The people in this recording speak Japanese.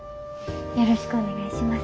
よろしくお願いします。